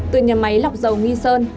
từ nhà máy lọc dầu nghi sơn